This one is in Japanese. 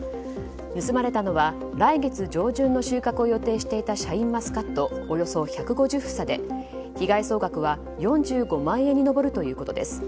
盗まれたのは来月上旬の収穫を予定していたシャインマスカットおよそ１５０房で、被害総額は４５万円に上るということです。